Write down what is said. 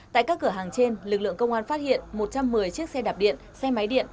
tại các cửa hàng trên lực lượng công an phát hiện một trăm một mươi chiếc xe đạp điện xe máy điện